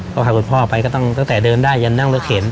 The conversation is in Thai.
ก็พาคุณพ่อไปก็ตั้งแต่เดินได้ยันนั่งรถเข็น